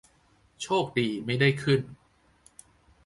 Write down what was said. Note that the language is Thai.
โชคดีไม่ได้ขึ้น